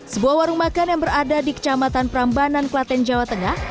sebuah warung makan yang berada di kecamatan prambanan klaten jawa tengah